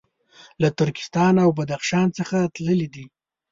له ترکستان او بدخشان څخه تللي دي.